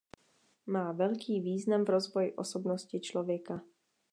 Má velký význam v rozvoji osobnosti člověka.